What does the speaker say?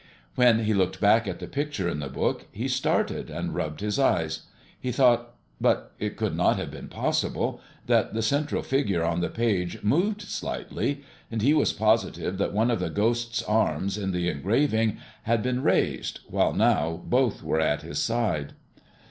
When he looked back at the picture in the book, he started and rubbed his eyes. He thought but it could not have been possible that the central figure on the page moved slightly; and he was positive that one of the Ghost's arms, in the engraving, had been raised, while now both were at his side.